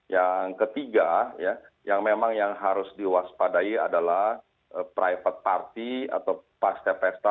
yang ketiga ya yang memang yang harus diwaspadai adalah private party atau paste pesta